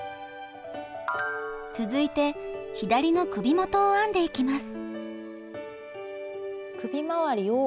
続いて左の首元を編んでいきます。